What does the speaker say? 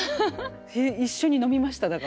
一緒に飲みましただから。